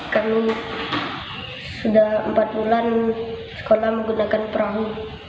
kami sudah empat bulan sekolah menggunakan perahu